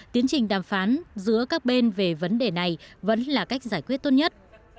tiến trình đàm phán giữa các bên về vấn đề này vẫn là cách giải quyết tốt nhất